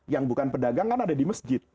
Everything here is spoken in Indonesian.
yang bukan pedagang kan ada di masjid